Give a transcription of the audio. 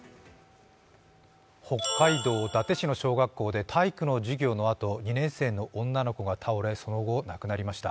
北海道伊達市の小学校で体育の授業のあと、２年生の女の子が倒れ、その後、亡くなりました。